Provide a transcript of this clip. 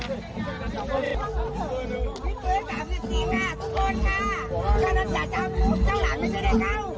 นี่เมื่อ๓๔นาตริย์ขอโทษค่ะ